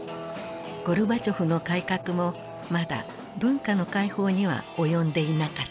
ゴルバチョフの改革もまだ文化の開放には及んでいなかった。